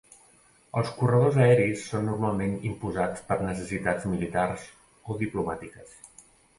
Els corredors aeris són normalment imposats per necessitats militars o diplomàtiques.